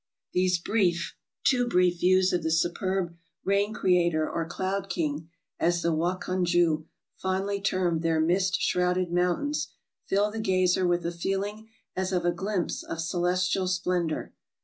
These brief — too brief — views of the superb Rain Creator or Cloud King, as the Wakonju fondly termed their mist shrouded mountains, fill the gazer with a feeling as of a glimpse of celestial splendor.